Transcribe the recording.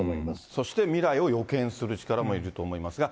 そして未来を予見する力もいると思いますが。